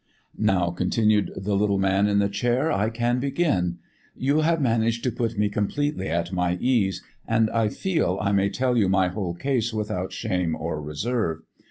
"Now," continued the little man in the chair, "I can begin. You have managed to put me completely at my ease, and I feel I may tell you my whole case without shame or reserve.